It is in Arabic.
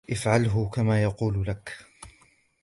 افعله كما يقول لك.